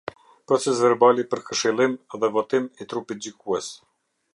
Procesverbali për këshillim dhe votim i trupit gjykues.